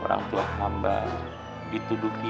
orang tua hamba dituduki